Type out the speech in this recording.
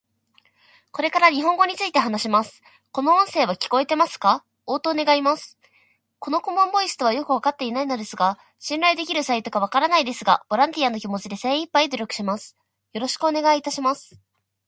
これから日本語について話します。この音声は聞こえてますか？応答願います。この顧問ボイスとはよく分かっていないのですが信頼できるサイトか分からないですが、ボランティアの気持ちで精いっぱい努力します。よろしくお願いいたします。